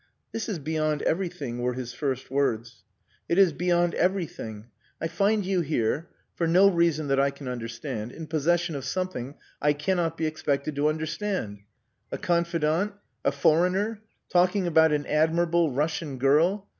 "This is beyond everything," were his first words. "It is beyond everything! I find you here, for no reason that I can understand, in possession of something I cannot be expected to understand! A confidant! A foreigner! Talking about an admirable Russian girl.